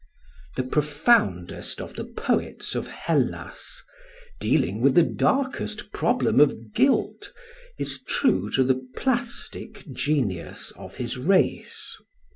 The profoundest of the poets of Hellas, dealing with the darkest problem of guilt, is true to the plastic genius of his race.